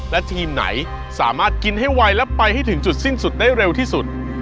และทีมไหนสามารถกินให้ไวและไปให้ถึงจุดสิ้นสุดได้เร็วที่สุด